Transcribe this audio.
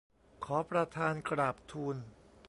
ขอประธานกราบทูล